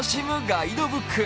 ガイドブック。